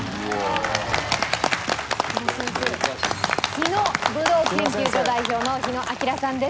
日野武道研究所代表の日野晃さんです。